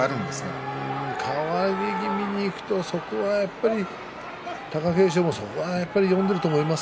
変わり気味にいきますと貴景勝もそこは読んでいると思います。